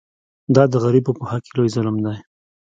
دا د غریبو په حق کې لوی ظلم دی.